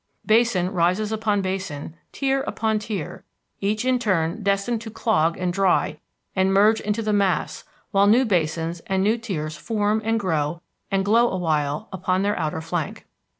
Basin rises upon basin, tier upon tier, each in turn destined to clog and dry and merge into the mass while new basins and new tiers form and grow and glow awhile upon their outer flank.